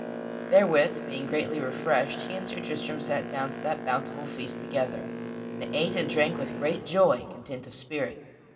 Therewith, being greatly refreshed he and Sir Tristram sat down to that bountiful feast together, and ate and drank with great joy and content of spirit.